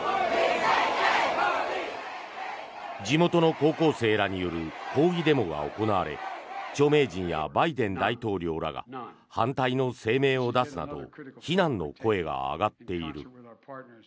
地元の高校生らによる抗議デモが行われ著名人やバイデン大統領らが反対の声明を出すなど非難の声が上がっている。